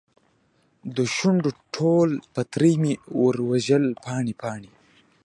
دشونډو ټول پتري مې ورژول پاڼې ، پاڼې